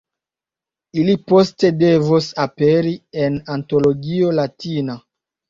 Ili poste devos aperi en Antologio Latina.